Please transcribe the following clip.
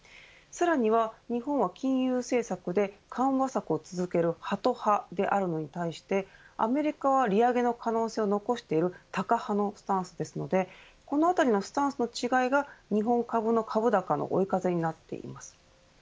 さらには日本は金融政策で緩和策を続けるハト派であるのに対してアメリカは利上げの可能性を残しているタカ派のスタンスですのでこのあたりのスタンスの違いが日本株の株高の追い風になっています。